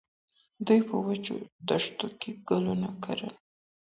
دوی په وچو دښتو کې ګلونه کري.